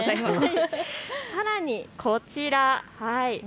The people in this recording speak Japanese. さらに、こちら。